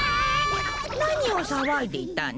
なにをさわいでいたの？